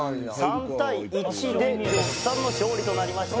３対１で呂布さんの勝利となりました。